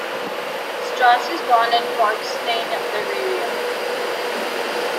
Strauss was born in Parkstein, Bavaria.